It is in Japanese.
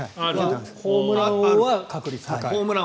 ホームラン王は確率が高い。